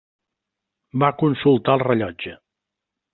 Va consultar el rellotge.